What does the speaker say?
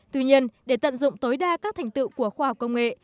tuy nhiên để tận dụng tối đa các thành tựu của khoa học công nghệ